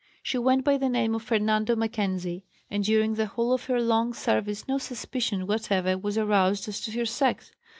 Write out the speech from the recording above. She went by the name of Fernando Mackenzie and during the whole of her long service no suspicion whatever was aroused as to her sex.